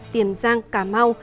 tiền giang cà mau